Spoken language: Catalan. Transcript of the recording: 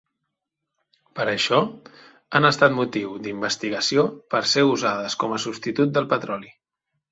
Per això, han estat motiu d'investigació per ser usades com a substitut del petroli.